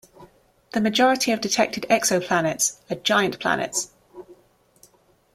The majority of detected exoplanets are giant planets.